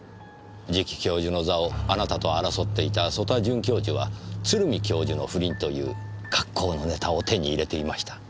次期教授の座をあなたと争っていた曽田准教授は鶴見教授の不倫という格好のネタを手に入れていました。